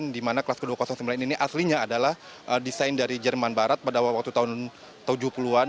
di mana kelas ke dua ratus sembilan ini aslinya adalah desain dari jerman barat pada waktu tahun tujuh puluh an